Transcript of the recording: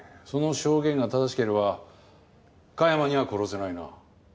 その証言が正しければ加山には殺せないな。